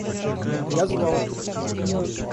Я звал!